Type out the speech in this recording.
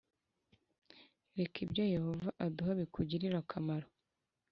Reka ibyo Yehova aduha bikugirire akamaro